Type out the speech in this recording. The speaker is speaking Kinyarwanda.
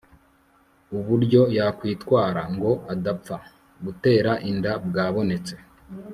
uburyo yakwitwara ngo adapfa gutera inda bwabonetse